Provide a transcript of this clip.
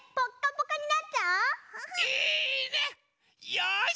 よし！